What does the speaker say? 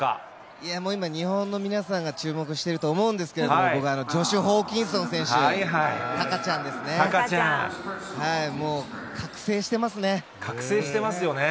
いや、もう今、日本の皆さんが注目してると思うんですけれども、僕はジョシュ・ホーキンソン選手、たかちゃん。覚醒していますよね。